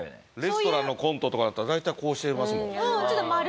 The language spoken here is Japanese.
レストランのコントとかだったら大体こうしてますもん。